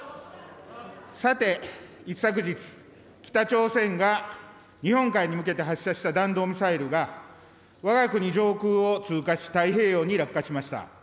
さて、一昨日、北朝鮮が日本海に向けて発射した弾道ミサイルが、わが国上空を通過し、太平洋に落下しました。